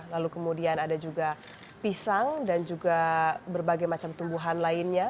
lalu kemudian ada juga pisang dan juga berbagai macam tumbuhan lainnya